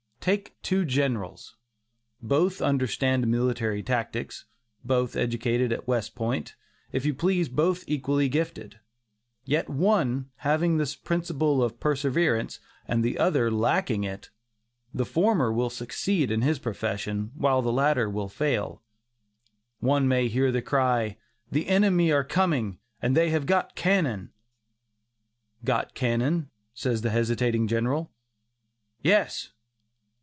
Take two Generals; both understand military tactics, both educated at West Point, if you please, both equally gifted; yet one, having this principle of perseverance, and the other lacking it, the former will succeed in his profession, while the latter will fail. One may hear the cry, "the enemy are coming, and they have got cannon." "Got cannon?" says the hesitating General. "Yes."